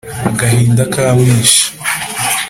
agahinda kamwishe